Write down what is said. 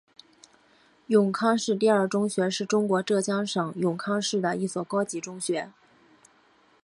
永康市第二中学是中国浙江省永康市的一所高级中学。